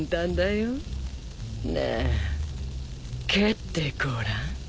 ねえ蹴ってごらん。